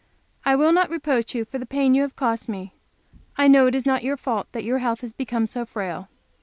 I will not reproach you for the pain you have cost me; I know it is not your fault that your health has become so frail.